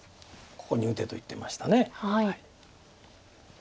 ここに打てと言ってました。